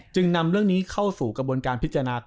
นำเรื่องนี้เข้าสู่กระบวนการพิจารณา